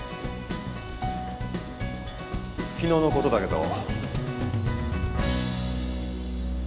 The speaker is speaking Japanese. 昨日のことだけど。